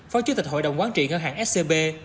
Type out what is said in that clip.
phó chủ tịch hội đồng quán trị ngân hàng scb